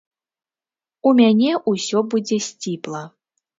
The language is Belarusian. У мяне ўсё будзе сціпла.